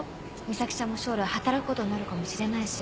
岬ちゃんも将来働くことになるかもしれないし。